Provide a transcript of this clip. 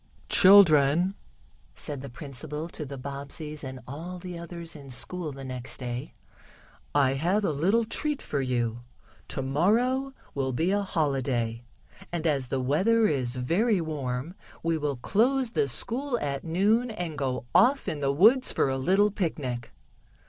"Children," said the principal to the Bobbseys and all the others in school the next day, "I have a little treat for you. Tomorrow will be a holiday, and, as the weather is very warm, we will close the school at noon, and go off in the woods for a little picnic."